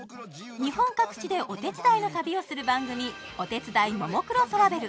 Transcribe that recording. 日本各地でお手伝いの旅をする番組、「お手伝いももクロトラベル」。